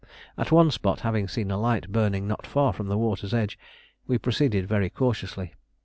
At one spot, having seen a light burning not far from the water's edge, we proceeded very cautiously.